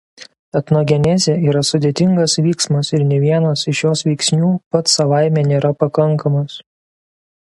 Etnogenezė yra sudėtingas vyksmas ir nė vienas iš jos veiksnių pats savaime nėra pakankamas.